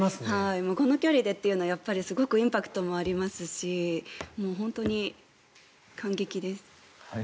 この距離でというのはすごくインパクトもありますし本当に感激です。